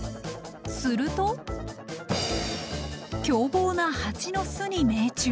すると凶暴なハチの巣に命中。